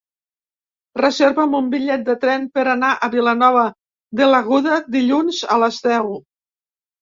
Reserva'm un bitllet de tren per anar a Vilanova de l'Aguda dilluns a les deu.